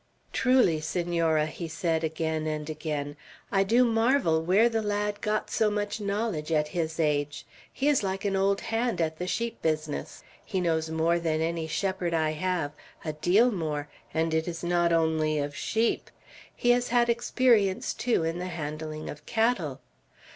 "Truly, Senora," he said again and again, "I do marvel where the lad got so much knowledge, at his age. He is like an old hand at the sheep business. He knows more than any shepherd I have, a deal more; and it is not only of sheep. He has had experience, too, in the handling of cattle.